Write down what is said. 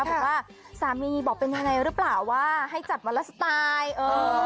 บอกว่าสามีบอกเป็นอย่างไรแล้วหรือเปล่าว่าให้จัดวรสไตล์